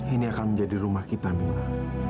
ini akan menjadi rumah kita mila